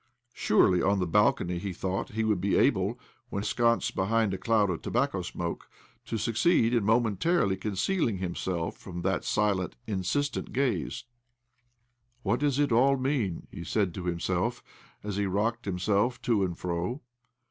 Surely, on the balcony, he thought, he would be able, when ensconced behind a cloud of tobacco smokte, to succeed in momentarily concealing himself from that silent, that insistent gaze? "What does it all щеап?" he said to himself as he rocked himself to and fro.